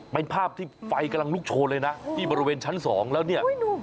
เป็นภาพที่ไฟกำลังลุกโชว์เลยนะที่บริเวณชั้นสองแล้วเนี่ย